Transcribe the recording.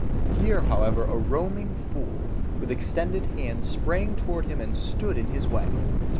Here, however, a foaming fool, with extended hands, sprang forward to him and stood in his way.